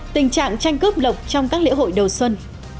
tình trạng tranh cướp lọc trong các lễ hội đầu xuân